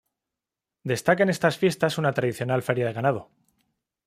Destaca en estas fiestas una tradicional Feria de Ganado.